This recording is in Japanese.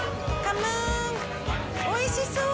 おいしそう！